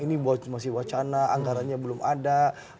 ini masih wacana anggarannya belum ada